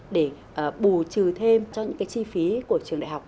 để bù trừ thêm cho những cái chi phí của trường đại học